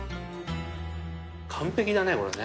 完璧だねこれね。